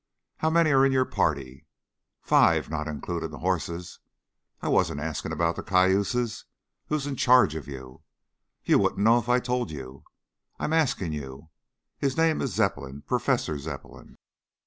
"How many are in your party?" "Five, not including the horses." "I wasn't asking about the cayuses. Who is in charge of you?" "You wouldn't know if I told you." "I'm asking you!" "His name is Zepplin, Professor Zepplin."